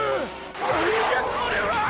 なんじゃこれは！？